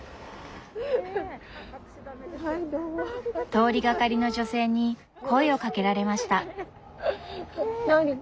通りがかりの女性に声をかけられました。